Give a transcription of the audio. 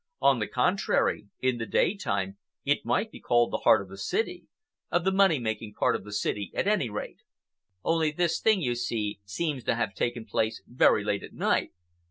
"On the contrary, in the daytime it might be called the heart of the city—of the money making part of the city, at any rate. Only this thing, you see, seems to have taken place very late at night."